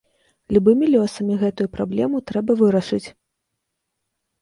Любымі лёсамі гэтую праблему трэба вырашыць!